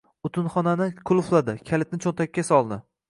Utinxonani qulfladi. Kalitni cho‘ntakka soldi.